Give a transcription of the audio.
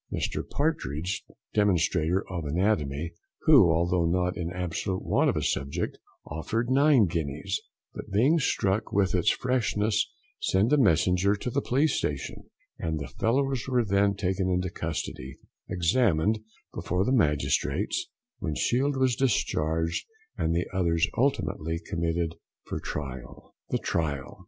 Mr Partridge, demonstrator of anatomy, who, although not in absolute want of a subject, offered nine guineas, but being struck with its freshness sent a messenger to the police station, and the fellows were then taken into custody, examined before the magistrates, when Shield was discharged and the others ultimately committed for trial. THE TRIAL.